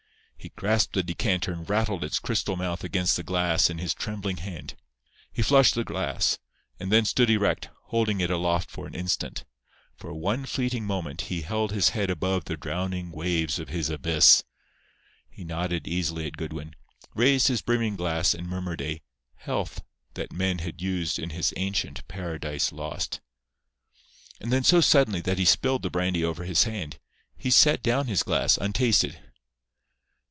He grasped the decanter and rattled its crystal mouth against the glass in his trembling hand. He flushed the glass, and then stood erect, holding it aloft for an instant. For one fleeting moment he held his head above the drowning waves of his abyss. He nodded easily at Goodwin, raised his brimming glass and murmured a "health" that men had used in his ancient Paradise Lost. And then so suddenly that he spilled the brandy over his hand, he set down his glass, untasted.